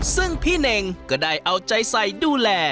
ซึ่งพี่เน่งก็ได้เอาใจใส่ดูแล